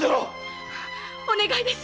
お願いです